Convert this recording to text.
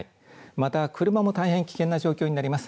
また車も大変危険な状況になります。